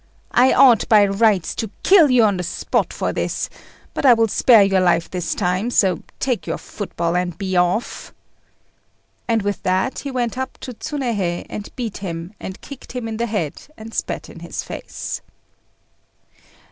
I ought, by rights, to kill you on the spot for this; but I will spare your life this time, so take your football and be off." And with that he went up to Tsunéhei and beat him, and kicked him in the head, and spat in his face.